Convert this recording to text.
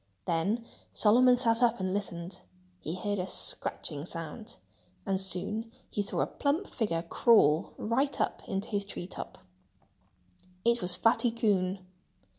Then Solomon sat up and listened. He heard a scratching sound. And soon he saw a plump figure crawl right up into his tree top. It was Fatty Coon!